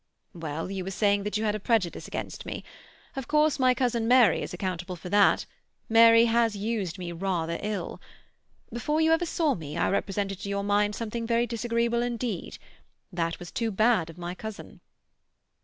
"Well, you were saying that you had a prejudice against me. Of course my cousin Mary is accountable for that. Mary has used me rather ill. Before ever you saw me, I represented to your mind something very disagreeable indeed. That was too bad of my cousin."